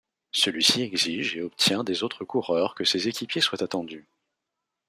Celui-ci exige et obtient des autres coureurs que ses équipiers soient attendus.